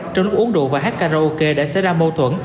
trong lúc uống đồ và hát karaoke đã xảy ra mâu thuẫn